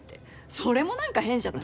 それも何か変じゃない？